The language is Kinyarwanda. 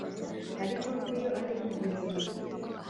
Ariko nk’iyo ari mu birori